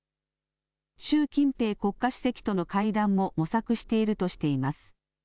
習近平国家主席との会談も模索しているとしています。